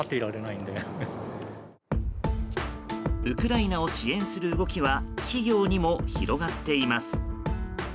ウクライナを支援する動きは企業にも広がっています。